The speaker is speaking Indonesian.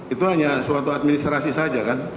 itu hanya suatu administrasi saja kan